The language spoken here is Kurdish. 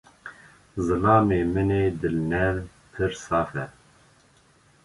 Zilamê min ê dilnerm, pir saf e.